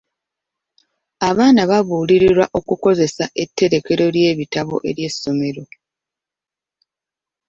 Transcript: Abaana baabuulirirwa okukozesa etterekero ly'ebitabo ery'essomero.